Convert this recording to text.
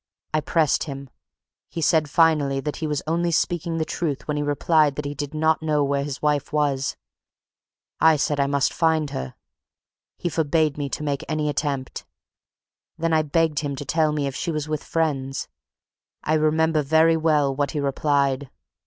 I pressed him he said finally that he was only speaking the truth when he replied that he did not know where his wife was. I said I must find her. He forbade me to make any attempt. Then I begged him to tell me if she was with friends. I remember very well what he replied.